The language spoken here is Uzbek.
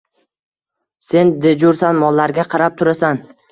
Sen dejursan, mollarga qarab turasan.